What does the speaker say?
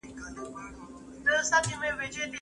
زه اوږده وخت انځور ګورم وم!